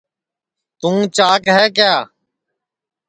توں چاک ہے کیا